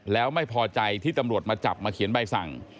แล้วไม่พอใจที่ตำรวจมาจับมาเขียนใบสั่ง